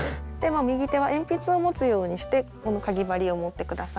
右手は鉛筆を持つようにしてかぎ針を持って下さい。